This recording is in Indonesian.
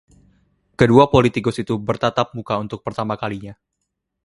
Kedua politikus itu bertatap muka untuk pertama kalinya.